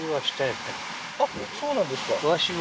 あっそうなんですか？